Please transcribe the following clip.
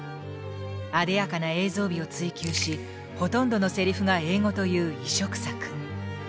あでやかな映像美を追求しほとんどのセリフが英語という異色作。